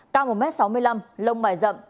cao một m sáu mươi năm lông bài rậm